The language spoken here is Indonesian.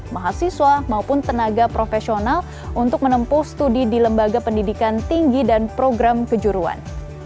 mahasiswa maupun tenaga profesional untuk menempuh studi di lembaga pendidikan tinggi dan program kejuruan